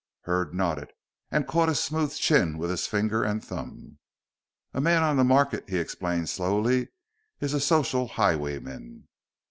Hurd nodded and caught his smooth chin with his finger and thumb. "A man on the market," he explained slowly, "is a social highwayman."